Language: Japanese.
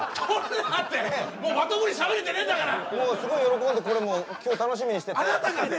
もうまともに喋れてねえんだからもうすごい喜んでこれもう今日楽しみにあなたがね